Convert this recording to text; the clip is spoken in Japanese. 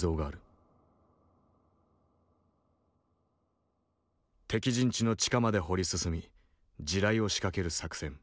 敵陣地の地下まで掘り進み地雷を仕掛ける作戦。